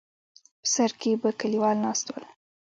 په بل سر کې به کليوال ناست ول.